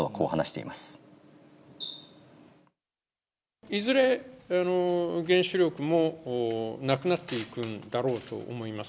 いずれ、原子力もなくなっていくんだろうと思います。